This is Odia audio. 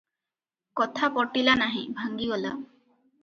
କଥା ପଟିଲା ନାହିଁ, ଭାଙ୍ଗିଗଲା ।